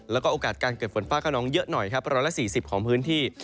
และโอกาสเกิดฝนฟ้าคนนองเยอะหน่อยประมาณ๔๐องศาเซียตของพื้นที่